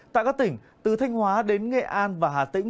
tại các tỉnh từ thanh hóa đến nghệ an và hà tĩnh